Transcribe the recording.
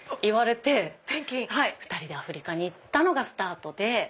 転勤⁉２人でアフリカに行ったのがスタートで。